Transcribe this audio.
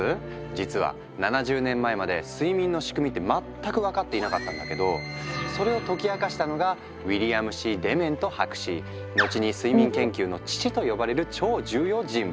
実は７０年前まで睡眠の仕組みって全く分かっていなかったんだけどそれを解き明かしたのが後に睡眠研究の父と呼ばれる超重要人物！